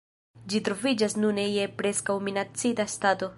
Ĝi troviĝas nune je preskaŭ-minacita stato.